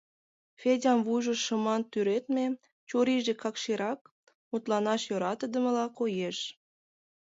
Федян вуйжо шыман тӱредме, чурийже какширак, мутланаш йӧратыдымыла коеш.